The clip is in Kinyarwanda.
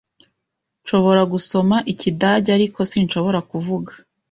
Nshobora gusoma Ikidage, ariko sinshobora kuvuga.